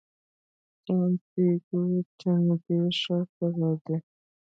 سانتیاګو تنګیر ښار ته ځي.